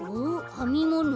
あみもの？